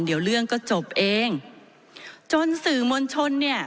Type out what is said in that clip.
เดี๋ยวเรื่องก็จบเองจนสื่อมวลชนเนี่ย